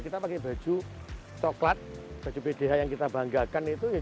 kita pakai baju coklat baju bdh yang kita banggakan